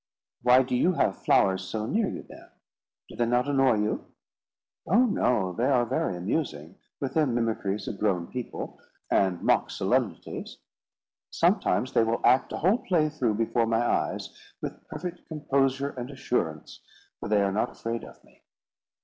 "Why do you have flowers so near you then? Do they not annoy you?" "Oh, no, they are very amusing, with their mimicries of grown people, and mock solemnities. Sometimes they will act a whole play through before my eyes, with perfect composure and assurance, for they are not afraid of me.